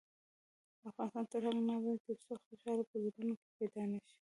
افغانستان تر هغو نه ابادیږي، ترڅو خوشحالي په زړونو کې پیدا نشي.